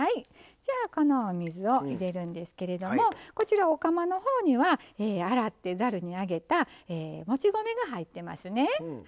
じゃあこのお水を入れるんですけれどもこちらお釜の方には洗ってざるに上げたもち米が入ってますね。